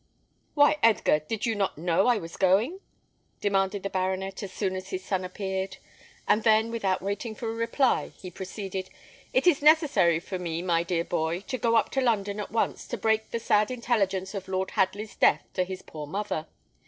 "Why, Edgar, did you not know I was going?" demanded the baronet, as soon as his son appeared; and then, without waiting for a reply, he proceeded: "It is necessary for me, my dear boy, to go up to London at once, to break the sad intelligence of Lord Hadley's death to his poor mother.